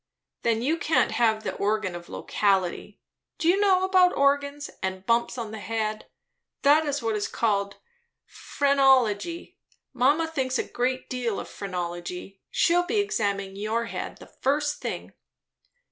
"Then you can't have the organ of locality. Do you know about organs, and bumps on the head? That's what is called phrenology. Mamma thinks a great deal of phrenology; she'll be examining your head, the first thing."